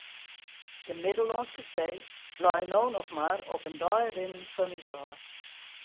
De Middellânske See lei no noch mar op in dei rinnen fan ús ôf.